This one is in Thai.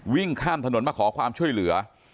วิ่งข้ามถนนมาขอความช่วยเหลือ